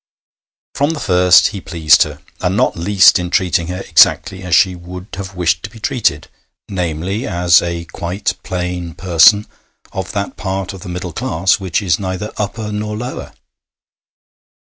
From the first he pleased her, and not least in treating her exactly as she would have wished to be treated namely, as a quite plain person of that part of the middle class which is neither upper nor lower.